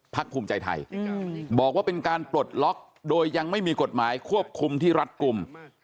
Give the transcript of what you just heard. ภูมิใจไทยบอกว่าเป็นการปลดล็อกโดยยังไม่มีกฎหมายควบคุมที่รัฐกลุ่ม